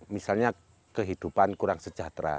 misalnya kehidupan kurang sejahtera